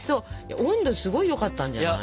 温度すごいよかったんじゃない？